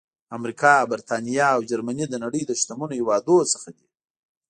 امریکا، برېټانیا او جرمني د نړۍ له شتمنو هېوادونو څخه دي.